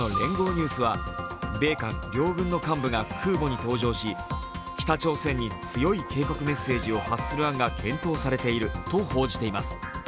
ニュースは米韓両軍の幹部が空母に搭乗し北朝鮮に強い警告メッセージを発する案が検討されていると報じています。